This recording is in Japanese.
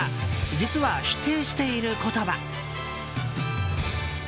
実は否定している言葉」。